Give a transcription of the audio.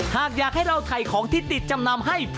หากอยากให้เราถ่ายของที่ติดจำนำให้